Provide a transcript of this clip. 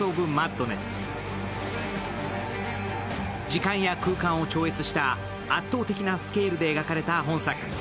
時間や空間を超越した圧倒的なスケールで描かれた本作。